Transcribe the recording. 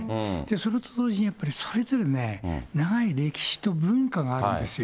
それと同時に、やっぱりそれぞれね、長い歴史と文化があるんですよ。